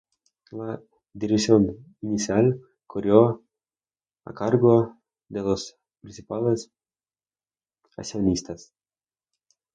La dirección inicial corrió a cargo de los principales accionistas.